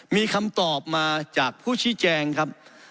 มีคำตอบมาจากผู้ชี้แจงครับ